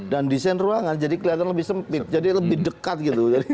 dan desain ruangan jadi kelihatan lebih sempit jadi lebih dekat gitu